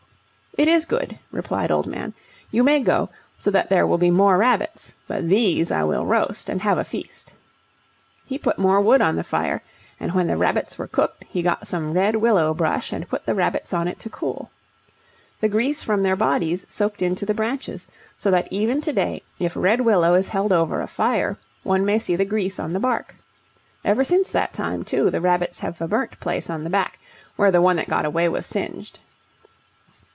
"It is good," replied Old Man. "You may go, so that there will be more rabbits; but these I will roast, and have a feast." He put more wood on the fire, and when the rabbits were cooked he got some red willow brush and put the rabbits on it to cool. The grease from their bodies soaked into the branches, so that even to day if red willow is held over a fire one may see the grease on the bark. Ever since that time, too, the rabbits have a burnt place on the back, where the one that got away was singed.